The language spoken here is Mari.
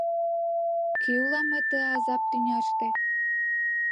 Кӧ улам мый ты азап тӱняште?